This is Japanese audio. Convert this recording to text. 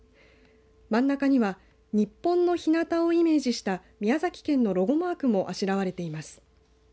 真ん中には日本のひなたをイメージした宮崎県のロゴマークもあしらわれています。